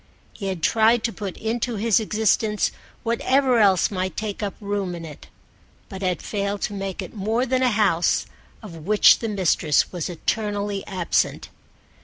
He had tried to put into his existence whatever else might take up room in it, but had failed to make it more than a house of which the mistress was eternally absent.